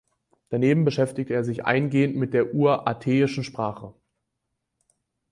Daneben beschäftigte er sich eingehend mit der Urartäischen Sprache.